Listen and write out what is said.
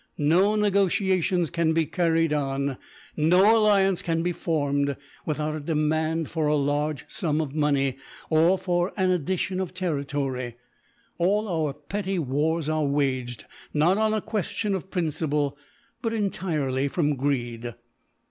No negotiations can be carried on, no alliance can be formed, without a demand for a large sum of money, or for an addition of territory. All our petty wars are waged, not on a question of principle, but entirely from greed.